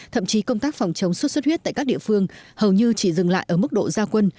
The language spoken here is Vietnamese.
thậm chí công tác phòng chống xuất xuất huyết tại các địa phương hầu như chỉ dừng lại ở mức độ gia quân